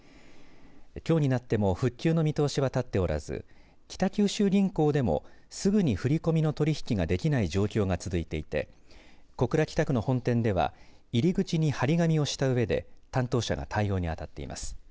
きょうになっても復旧の見通しは立っておらず北九州銀行でもすぐに振り込みの取引ができない状況が続いていて小倉北区の本店では入り口に張り紙をしたうえで担当者が対応に当たっています。